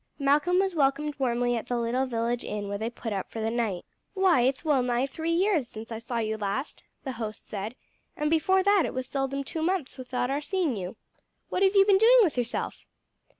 Malcolm was welcomed warmly at the little village inn where they put up for the night. "Why, it's well nigh three years since I saw you last," the host said, "and before that it was seldom two months without our seeing you. What have you been doing with yourself?"